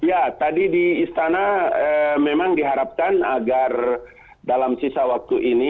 ya tadi di istana memang diharapkan agar dalam sisa waktu ini